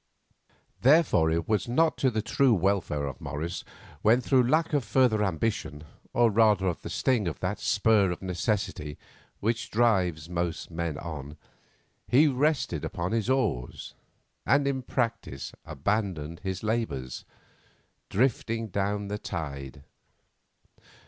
Therefore it was not to the true welfare of Morris when through lack of further ambition, or rather of the sting of that spur of necessity which drives most men on, he rested upon his oars, and in practice abandoned his labours, drifting down the tide.